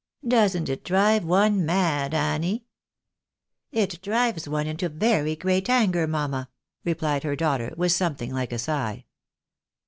Doesn't it drive one mad, Annie ?"" It drives one into very great anger, mamma," replied her daughter, with something like a sigh.